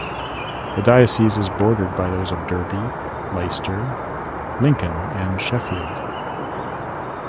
The diocese is bordered by those of Derby, Leicester, Lincoln, and Sheffield.